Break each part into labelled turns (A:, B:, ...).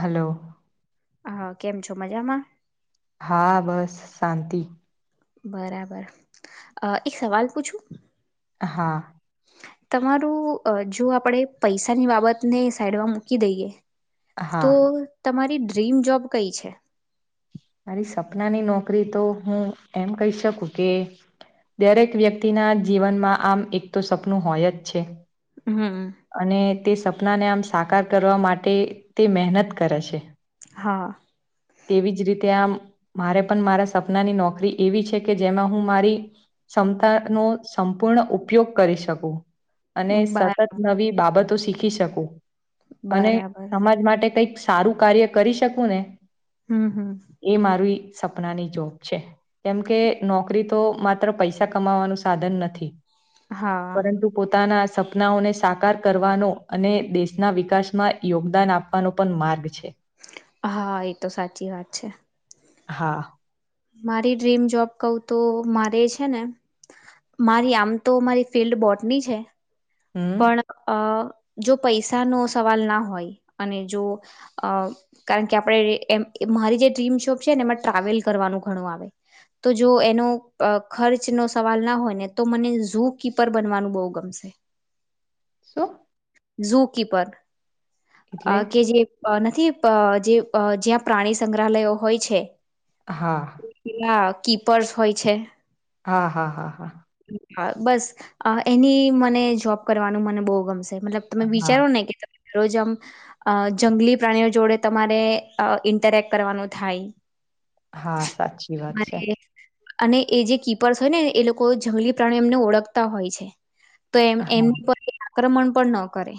A: Hello.
B: હા કેમ છો મજામાં?
A: હા બસ શાંતિ.
B: બરાબર એક સવાલ પૂછું?
A: હા.
B: તમારું જો આપણેે પૈસાની બાબતને સાઈડમાં મૂકી દઈએ
A: હા
B: તો તમારી ડ્રીમ જોબ કઈ છે?
A: મારી સપનાની નોકરી તો હું એમ કહી શકું કે દરેક વ્યક્તિના જીવનમાં આમ એક તો સપનું હોય જ છે.
B: હમ.
A: અને તે સપનાને આમ સાકાર કરવા માટે તે મેહનત કરે છે.
B: હા.
A: ત્યાં મારે પણ મારા સપનાની નોકરી એવી છે કે જેમાં હું મારી ક્ષમતા નું નું સંપૂર્ણ ઉપયોગ કરી શકું. અને
B: બ
A: સતત નવી બાબતો શીખી શકું. અને
B: બરાબર
A: સમાજ માટે કઈક સારું કાર્ય કરી શકું ને
B: હમ હમ.
A: એ મારી સપનાની જોબ છે. કેમ કે નોકરી તો માત્ર પૈસા કમાવાનું નથી.
B: હા
A: પરંતુ પોતાના સપનાઓને સાકાર કરવાનો અને દેશના વિકાસમાં યોગદાન આપવાનો પણ માર્ગ છે.
B: હા એ તો સાચી વાત છે.
A: હા.
B: મારી ડ્રીમ જોબ કઉ તો મારે છે ને. મારી આમ તો મારી ફિલ્ડ બોટની છે
A: હમ
B: પણ અ જો પૈસા નો સવાલ ના હોય અને જો અ કારણ કે આપણે એ મારી જે ડ્રીમ શોપ છે એમાં ટ્રાવેલ કરવાનું ઘણું આવે તો જો એનો ખર્ચ ન સવાલ ના હોય ને તો મને ઝુ કીપર બનવાનું બહુ ગમશે
A: શું
B: ઝુકી પર
A: એટલે
B: કે જે નથી જે જ્યાં પ્રાણી સંગ્રહાલયો હોય છે
A: હા
B: પેલા કીપર્સ હોય છે
A: હા હા હા હા
B: હા બસ એની મને જોબ કરવાનું મને બહુ ગમશે મતલબ તમે
A: હા
B: વિચારો ને કે રોજ આમ જંગલી પ્રાણીઓ જોડે તમારે ઇન્ટરેક્ટ કરવાનું થાય
A: હા સાચી વાત છે
B: તમારે અને એ જે કીપર્સ હોય નેને એ લોકો જંગલી પ્રાણી એમને ઓળખતા હોય છે તો એમ
A: હા
B: એમની પર આક્રમણ પણ ન કરે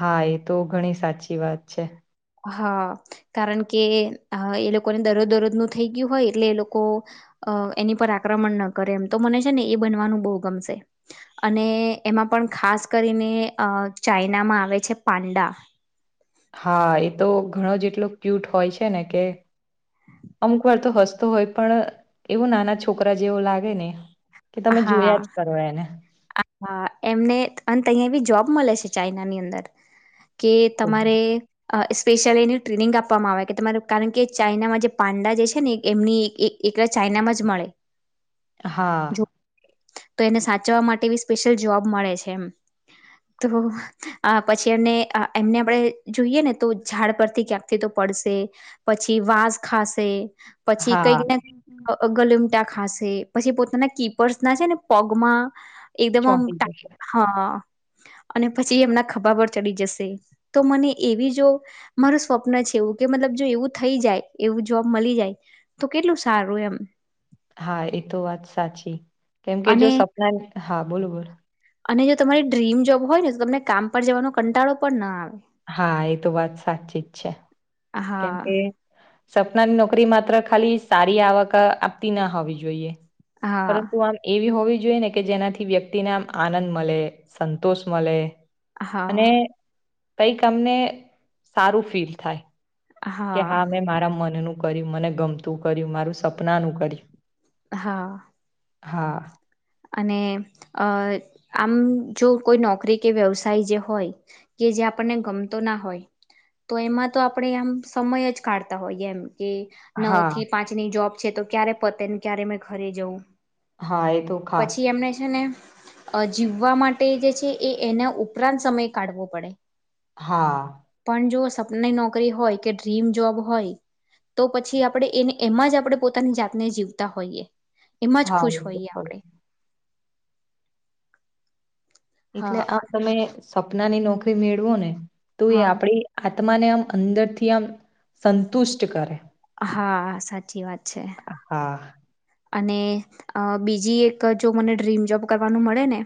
A: હા એ તો ઘણી સાચી વાત છે
B: હા કારણ કે એ લોકોને દરોજ દરોજ નું થઈ ગયું હોય એટલે એ લોકો અ એની પર આક્રમણ ન કરે એમ તો મને છે ને એ બનવાનું બહુ ગમશે અને એમાં પણ પણ ખાસ કરીને ચાઈનામાં આવે છે પાંડા
A: હા એ તો ઘણો જ એટલો ક્યુટ હોય છે ને કે અમુક વાર તો હસતો હોય પણ એવું નાના છોકરા જેવો લાગે ને કે તમે જોયા જ
B: હા
A: કરો એને
B: હા એમને અને તહીંયા બી જોબ મળે છે ચાઈના ની અંદર કે
A: ઓહો!
B: તમારે સ્પેશ્યયલી એની ટ્રેનિંગ આપવામાં આવે કે તમાર કારણ કે ચાાઈનામાં જે પાંડા જે છે ને એમની એલે ચાાઈનામાં જ મળે
A: હા
B: જો તો એને સાચવા માટે એ સ્પેશિયલ જોબ મળે છે એમ તો પછી એમ એમને આપણે જોઈએ ને તો ઝાડ પરથી ક્યાંકથી તો પડ પડ પછી વાસ ખાશે પછી
A: હા,
B: કક કક ગલુમટા ખાસે પછી પોતાના કીપર્સ ના છે ને પગમાં એકદમ આમ
A: ચોંટી જશે.
B: ટાઈટ હા અને પછી એમના ખભા પર ચડી જશે તો મને એવી જો મારું સ્વપ્ન છે એવું કે મતલબ જો એવું થઈ જાય એવું જોબ મળી જાય તો કેટલું સારું એમ
A: હા એ તો વાત સાચી કેમકે
B: અને
A: જો સપના હા બોલ બોલ
B: અને જો તમારી ડ્રીમ જોબ હોય ને તો તમને કામ પર જવાનો કંટાળો પણ ના આવે
A: હા એ તો વાત સાચી જ છે કેમ
B: હા
A: કે સપનાની નોકરી માત્ર ખાલી સારી આવક આપતી ના હોવી જોઈએ
B: હા
A: પરંતુ આમ એવી હોવી જોઈ ને કે જેનાથી વ્યક્તિને આમ આનંદ મળે સંતોષ મળે
B: હા
A: કઈક અમને સારું ફીલ થાય કે હા મેં મારા મનનું કર્યું મને ગમતું કર્યું મારું સપનાનું કર્યું
B: હા
A: હા
B: આમ જો કોઈ નોકરી કે વ્યવસાય જે હોય કે જે આપ ગમતો ના હોય તો એમાં તો આપણેે આમ સમય જ કાઢતા હોયએ એમ કે નવ
A: હા.
B: થી પાંચની જોબ છે તો ક્યારે પતે ને ક્યારે મે ઘરે જવું
A: હા એ તો ખાસ
B: પછી એમને છે ને અ જીવા માટે જે છે એ એના ઉપરાંત સમય કાઢવો પડે
A: હા
B: જો સપનાની નોકરી હોય કે ડ્રીમ જોબ હોય તો પછી આપણે એને એમાં જ આપણે પોતાની જાતને જીવતા હોઈએ એમાં જ
A: હા એ
B: ખુશ
A: તો
B: હોઈએ
A: ખરું
B: આપણે
A: એટલે
B: હા
A: આ તમે સપનાની નોકરી મેળવો ને તો એ
B: હા
A: આપડી તમને આમ અંદરથી આમ સંતુષ્ટ કરે
B: હા સાચી વાત છે
A: હા
B: અને બીજી એક જો મને ડ્રીમ જોબ કરવાનું મળે ને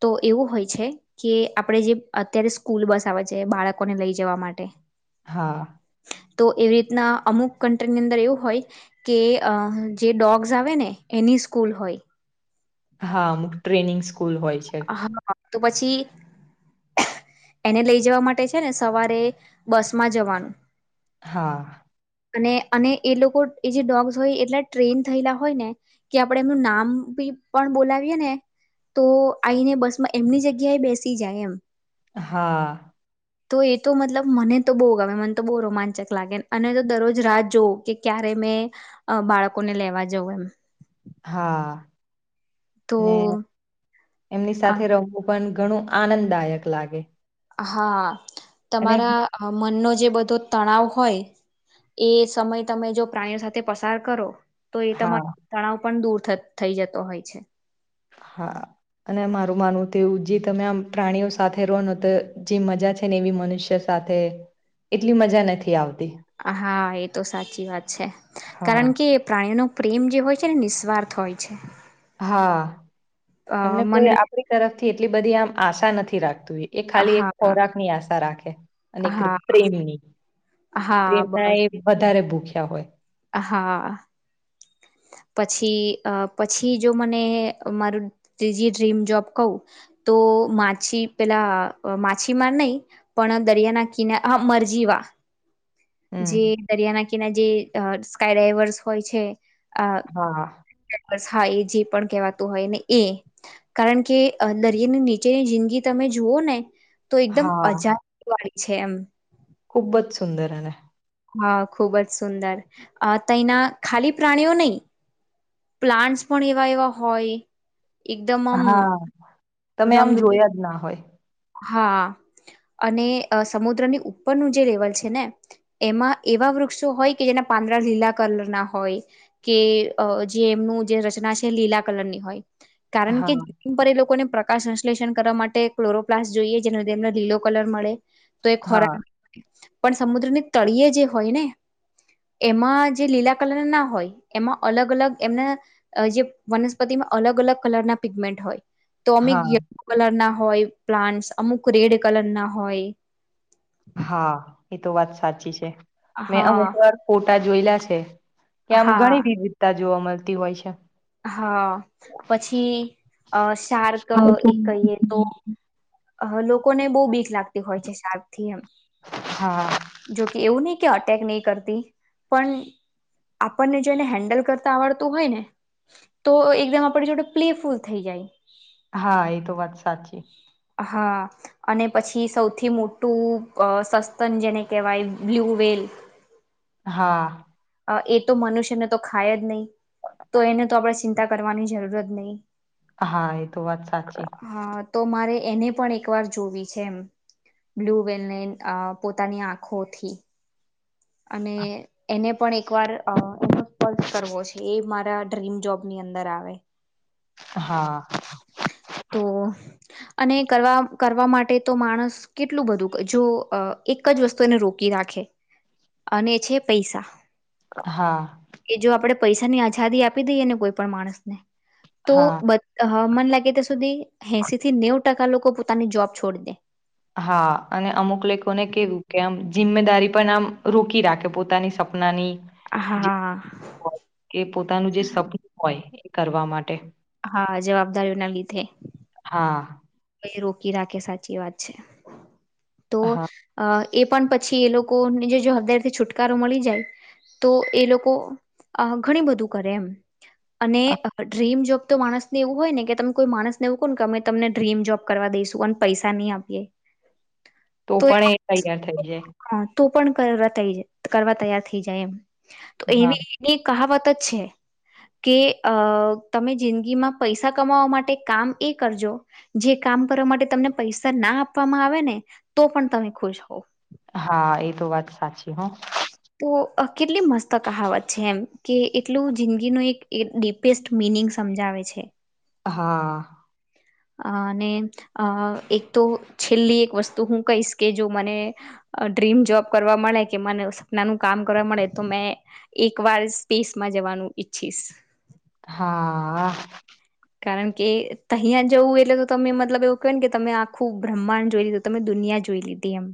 B: તો એવું હોય છે કે આપણે જે અત્યારે સ્કૂલ બસ આવે છે બાળકોને લઈ જવા માટે
A: હા
B: તો એવી રીતના અમુક કન્ટ્રીની અંદર એવું હોય કે જે ડોગ્સ જાવે ને એની સ્કૂલ હોય
A: હા અમુક ટ્રેનિંગ સ્કૂલ હોય છે
B: હા તો પછી એને લઈ જવા માટે છે ને સવારે બસ માં જવાનું
A: હા
B: અને અને એ લોકો એ જે ડોગ્સ હોય એટલા ટ્રેન થયેલા હોય ને કે આપડે એમનું નામ ભી પણ બોલાવીય ને તો આઈને બસ માં એમની જગ્યાએ બેસી જાય એમ
A: હા
B: તો એ તો મતલબ મને તો બહુ ગમે મને તો બહુ રોમાંચક લાગે અને તો દરરોજ રાહ જોવ કે ક્યારે મે બાળકોને લેવા જવં એમ
A: હા
B: તો
A: ને એમની
B: અ
A: સાથે રમવું પણ ઘણું આનંદદાયક લાગે
B: હા
A: અને હું
B: તમારા મનનો જે બધો તણાવ હોય એ સમય તમે જો પ્રાણીઓ સાથે પસાર કરો તો એ
A: હા
B: તમારો તણાવ પણ દૂર થઈ જતો હોય છે
A: હા અને મારું માનવું તેવું જે તમે આમ પ્રાણીઓ સાથે રહો ન તો જે મજા છે ને એવી મનુષ્ય સાથે સાથે એટલી મજા નથી આવતી
B: હા એ તો સાચી વાત છે કારણ
A: હા
B: કે પ્રાણીઓનો પ્રેમ જે હોય છે નિઃસ્વાર્થ હોય છે
A: હા
B: અ
A: એમને કોઈ
B: મનુ
A: આપડી તરફથી એટલી બધી આમ આશા નથી રાખતી એ ખાલી એક
B: હા
A: ખોરાક ની આશા રાખે અને
B: હા
A: પ્રેમની
B: હા
A: પ્રેમના
B: બસ
A: એ વધારે ભૂખ્યા હોય
B: હા પછી પછી જો મને મારું ત્રીજી ડ્રીમ જોબ કહું તો માછી પેલા માછીમાર નહી પણ દરિયાના કિના મરજી વા
A: હમ
B: જે દરિયા નાકીનારે જે સ્કાય ડ્રાઈવર્સ હોય છે
A: હા
B: આ હા એ જે પણ કહેવાતું હોય ને એ કારણ કે દરિની નીચેની જિંદગી તમે જુવોઓ ને તો એકદમ
A: હા
B: અજા વાળી છે એમ
A: ખુબ જ સુંદર એને
B: હા ખુબ જ સુંદર તેના ખાલી પ્રાણીઓ નહી પ્લાન્ટસ પણ એવા એવા હોય એકદમમ
A: હા તમે
B: રંગ
A: આમ જોયા જ ના હોય
B: હા અને સમુદ્રની ઉપરનું જે લેવલ છે ને એમાં એવા વૃક્ષો હોય કે જેના પાંદડા લીલા કલર ના હોય કે જે એમનું જે રચના છે લીલા કલર ની હોય કારણ કે
A: હા
B: જન પર એ લોકોને પ્રકાશ સંશ્લેષણ કરવા માટે ક્લોરો પ્લાસ જોઈએ જેનો તેમને લીલો કલર મળે તો એ
A: હા
B: ખોરાક પણ સમુદ્રની તળિયે જે હોય ને એમાં જે લીલા કલર ના હોય એમાં અલગ અલગ એમના જે વનસ્પતિ અલગ અલગ કલર ના પિગમેન્ટ હોય તો અમેક
A: હા
B: યલો કલર ના હોય પ્લાન્ટસ અમુક રેડ કલર ના હોય
A: હા એતો વાત સાચી છે મેં અમુક
B: હા
A: વાર ફોટા જોયેલા છે કે આમ ઘણી
B: હા
A: વિવિધતા જોવા મળતી હોય છે
B: હા પછી અ શાર્ક
A: છે
B: એક કઈએ તો અ લોકોને બહુ બીક લાગતી હોય છે શાર્ક થી એમ
A: હા
B: જોકે એવું નહી કે અટેક નહી કરતી પણ આપણને જેને હેન્ડલ કરતા આવડતું હોય ને તો એકદમ આપણે જોડ પ્લેફુલ થઈ જાય
A: હા એ તો વાત સાચી
B: હા અને પછી સૌથી મોટું સસ્તન જેને કહેવાય બ્લુ પૂવેલ
A: હા
B: એ તો મનુષ્યને તો ખાય જ નહી તો એને તો આપણે ચિંતા કરવાની જરૂર જ નહીિ
A: હા એ તો વાત સાચી
B: તો મારે એને પણ એક વાર જોવી છે એમ બ્લુ વલને અ પોતાની આંખોથી અને એને પણ એક વાર કરવો છે એ મારા ડ્રીમ જોબની અંદર આવે
A: હા
B: તો અને કરવા કરવા માટે તો માણસ કેટલું બધું જો એક જ વસ્તુ એને રોકી રાખે અને છે પૈસા
A: હા
B: કે જો આપણે પૈસાની આઝાદી આપી દઈએ ને કોઈ પણ માણસને તો
A: હા
B: મન લાગે ત્યા સુધી એસી થી નેવ ટકા લોકો પોતાની જોબ છોડી દે
A: હા અને અમુક લોકોને કેવું કે આમ જિમ્મેદારી પણ આમ રોકી રાખે પોતાની પોતાની જે
B: હા
A: હોય પોતાનુ સપનું હોય કરવા માટે.
B: હા, જવાબદારીઓના લીધે.
A: હા
B: રોકી રાખે સાચી વાત છે. તો
A: હા
B: અ એ પણ પછી એ લોકોની જે જો હદારીથી છુટકારો મળી જાય તો એ લોકો અ ઘણી બધું કરે એમ. અને ડ્રીમ જોબ તો માણસને એવું હોય ને કે તમે કોઈ માણસને એવું કોને કે અમે તમને ડ્રીમ જોબ કરવા દઈશું. અને પૈસા નઈ આપીએ
A: તો પણ એ તૈયાર થઇ જાય.
B: હા તો પણ કરવા થઈ જા કરવા તૈયાર થઈ જાય એમ. તો
A: હા
B: એવી એની કહાવત જ છે કે અ તમે જિંદગીમાં પૈસા કમાવા માટે કામ એ કરજો જે કામ કરવા માટે તમને પૈસા ના આપવામાં આવે ને તો પણ તમે ખુશ હોવ.
A: હા, એ તો વાત સાચી હન.
B: અ કેટલી મસ્ત કહાવત છે એમ કે એટલું જિંદગીનું એક ડીપેસ્ટ મિનિંગ સમજાવે. છે.
A: હા
B: અ અને અ એક તો છેલ્લી એક વસ્તુ હું કહીશ કે જો મને ડ્રીમ જોબ કરવા મળે કે મને સપનાનું કામ કરવા મળે તો મેં એક વાર સ્પેસમાં જવાનું ઈચ્છીશ.
A: હા
B: કારણ કે તહીયા જવું એટલે તો તમે મતલબ એવું કેવાય ને કે તમે આખું બ્રહ્માંડ જોઈ લીધુ તમે દુ નીયા જોઈ લીધી એમ.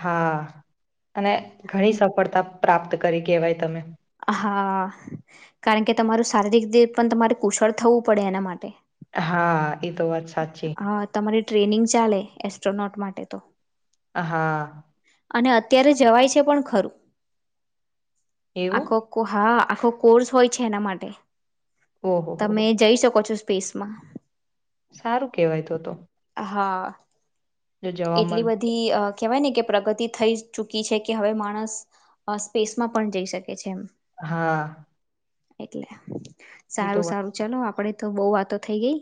A: હા, અને ઘણી સફળતા પ્રાપ્ત કરી કેવાય તમે.
B: હા, કારણ કે તમારું શારીરીક દે પણ તમારે કુશળ થવું પડે એના માટે.
A: હા, એ તો વાત સાચી.
B: હા તમારી ટ્રેનિંગ ચાલે એસ્ટ્રોનોટ માટે તો.
A: હા
B: અને અત્યારે જવાય છે પણ ખરું.
A: એવું
B: આખો કો હા આખો કોર્સ હોય છે એના માટે.
A: ઓહો હો
B: તમે જઈ શકો છો સ્પેસમાં.
A: સારું કેવાય તો તો.
B: હા,
A: જો જવા
B: એટલી
A: મળ
B: બધી અ કેવાય ને કે પ્રગતિ થઈ ચૂકી છે કે હવે માણસ અ સ્પેસમાં પણ જઈ શકે છે એમ.
A: હા.
B: એટલે.
A: એ તો
B: સારું,
A: વાત
B: સારું, ચલો આપડે તો બઉ વાતો થઈ ગઈ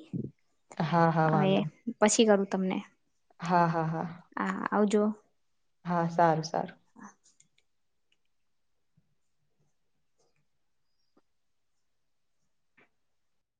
A: હા હા
B: હવે
A: વાંધો
B: પછી કરું તમને.
A: હા હા હા
B: હા આવજો.
A: હા, સારું સારું.